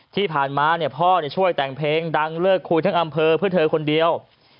ที่ผ่านมาพ่อช่วยแต่งเพลงดังเลิกคุยทั้งอำเภอเพื่อเธอคนเดียว